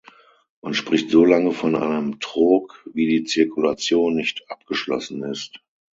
Man spricht so lange von einem Trog, wie die Zirkulation nicht abgeschlossen ist.